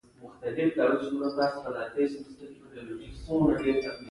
د غوښې ښه پخول د روغتیا ساتنه کوي.